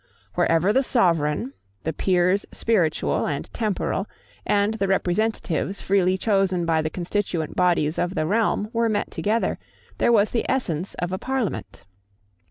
Wherever the Sovereign, the Peers spiritual and temporal, and the Representatives freely chosen by the constituent bodies of the realm were met together, there was the essence of a Parliament.